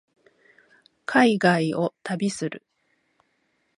海外を旅する